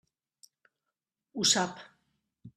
Ho sap.